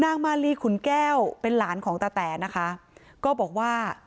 มาลีขุนแก้วเป็นหลานของตาแต๋นะคะก็บอกว่า